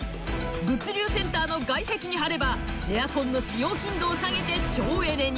物流センターの外壁に貼ればエアコンの使用頻度を下げて省エネに。